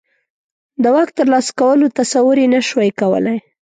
د واک ترلاسه کولو تصور یې نه شوای کولای.